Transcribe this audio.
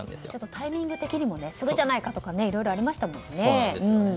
タイミング的にもそれじゃないかとかいろいろありましたものね。